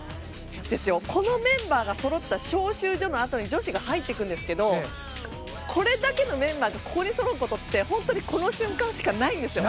このメンバーがそろったあとの招集所のあとに女子が入っていくんですけどこれだけのメンバーがここにそろうことって本当にこの瞬間しかないんですよ。